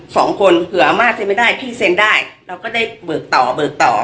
สองคนเผื่อมากเซ็นไม่ได้พี่เซ็นได้เราก็ได้เบิกต่อเบิกต่อ